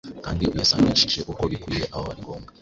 kandi uyasanishe uko bikwiye aho ari ngombwa: